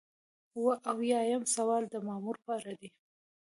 اووه اویایم سوال د مامور په اړه دی.